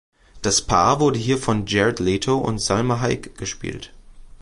Das Paar wurde hier von Jared Leto und Salma Hayek gespielt.